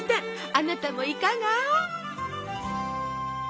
あなたもいかが？